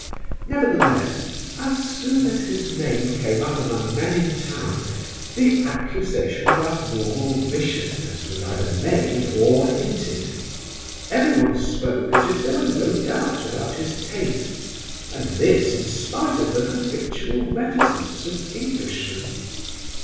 Nevertheless, as soon as his name came up among men in town, the accusation of abnormal viciousness was either made or hinted. Everyone spoke as if there were no doubt about his tastes, and this in spite of the habitual reticence of Englishmen.